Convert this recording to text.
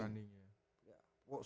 berarti itu berarti yang bertanding ya